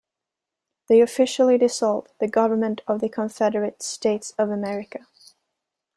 They officially dissolved the government of the Confederate States of America.